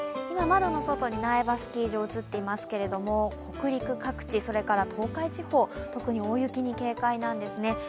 今窓の外に苗場スキー場が映っていますけれども、北陸各地、それから東海地方、特に大雪に警戒なんですね。